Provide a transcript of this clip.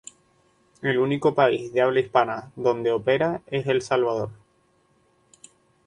El único país de habla hispana donde opera es El Salvador.